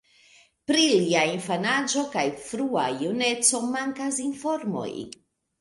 Pri lia infanaĝo kaj frua juneco mankas informoj.